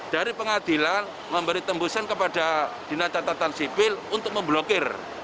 dari pengadilan memberi tembusan kepada dinas catatan sipil untuk memblokir